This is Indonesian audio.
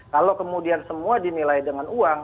kalau kemudian semua dinilai dengan uang